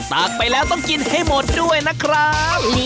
ตักไปแล้วต้องกินให้หมดด้วยนะครับ